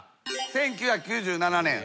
１９９７年。